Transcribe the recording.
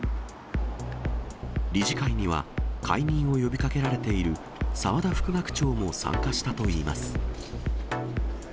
理事会には、解任を呼びかけられている澤田副学長も参加したといいます。